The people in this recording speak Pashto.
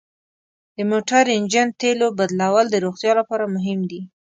د موټر انجن تیلو بدلول د روغتیا لپاره مهم دي.